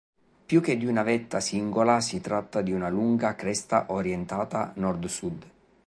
Più che di una vetta singola si tratta di una lunga cresta orientata nord-sud.